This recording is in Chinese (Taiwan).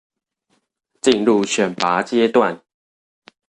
進入選拔階段